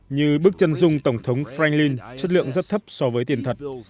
như bức chân dung tổng thống franklin chất lượng rất thấp so với tiền thật